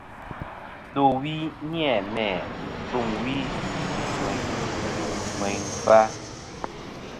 Ndowi ni-a mæ lumwi li wi ŋweyna ŋweyn ŋweyn kfa.